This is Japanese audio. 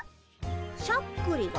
しゃっくりが？